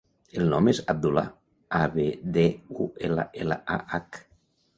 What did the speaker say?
El nom és Abdullah: a, be, de, u, ela, ela, a, hac.